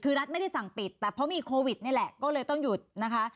คือรัฐไม่ได้สั่งปิดแต่เพราะมีโควิดนี่แหละก็เลยต้องหยุดนะคะ